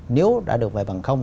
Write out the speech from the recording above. nếu đã được về bằng không